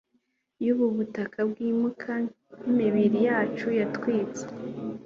y'ubu butaka bwimuka n'imibiri yacu yatwitse